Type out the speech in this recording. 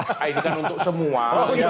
oh ini kan untuk semua ya